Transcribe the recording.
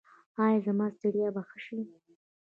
ایا زما ستړیا به ښه شي؟